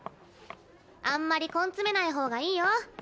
あんまり根詰めない方がいいよ。